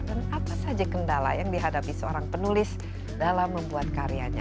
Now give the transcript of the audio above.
dan apa saja kendala yang dihadapi seorang penulis dalam membuat karyanya